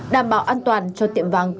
đảm bảo an toàn cho tiệm vàng